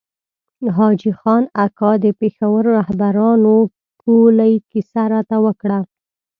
حاجي خان اکا د پېښور رهبرانو ټولۍ کیسه راته وکړه.